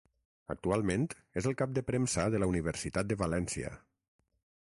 Actualment és el cap de premsa de la Universitat de València.